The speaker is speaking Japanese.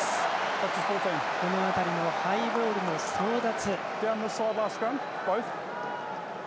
この辺りのハイボールの争奪。